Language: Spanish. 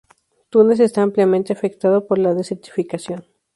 Túnez está ampliamente afectado por la desertificación.